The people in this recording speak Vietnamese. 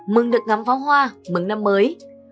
mừng được ngắm phó hoa mừng năm mới